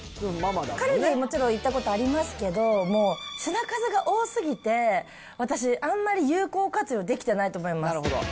カルディはもちろん行ったことありますけど、もう、品数が多すぎて、私、あんまり有効活用できてないと思います。